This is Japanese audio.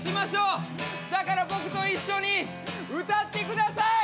だから僕と一緒に歌ってください！